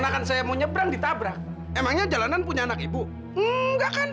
kamu lagi main apa sih